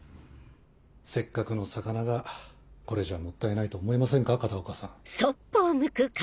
せっかくの魚がこれじゃもったいないと思いませんか片岡さん。